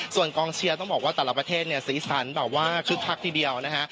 ส่วนกองเชียร์ต้องบอกว่าแต่ละประเทศเนี่ยสีสันแบบว่าคึกคักทีเดียวนะฮะ